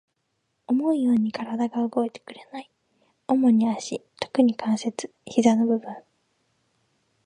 思うように体が動いてくれない。主に足、特に関節、膝の部分。